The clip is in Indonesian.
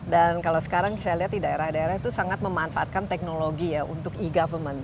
dan kalau sekarang saya lihat di daerah daerah itu sangat memanfaatkan teknologi untuk e government